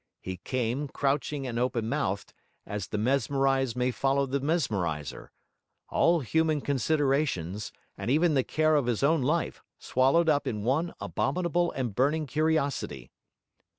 He came, crouching and open mouthed, as the mesmerised may follow the mesmeriser; all human considerations, and even the care of his own life, swallowed up in one abominable and burning curiosity.